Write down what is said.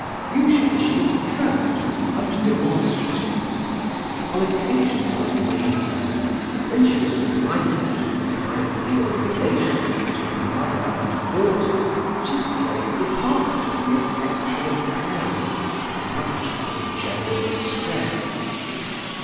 Usually she was curt and undemonstrative. On occasions like these, however, when she was reminded of the ideal relations between mother and daughter, she played the part of the affectionate parent, much to the general distress.